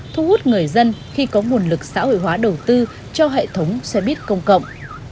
thu hút người dân khi có nguồn lực xã hội hóa đầu tư cho hệ thống xe buýt công cộng